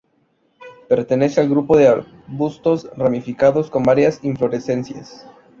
Pertenece al grupo de arbustos ramificados con varias inflorescencias.